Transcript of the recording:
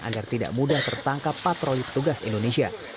agar tidak mudah tertangkap patroli petugas indonesia